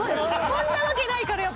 そんなわけないからやっぱり。